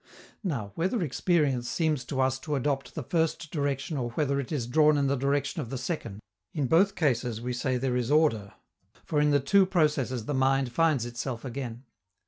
Now, whether experience seems to us to adopt the first direction or whether it is drawn in the direction of the second, in both cases we say there is order, for in the two processes the mind finds itself again.